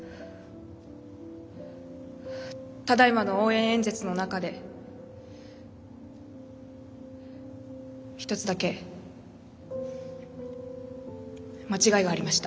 ただいまの応援演説の中で一つだけ間違いがありました。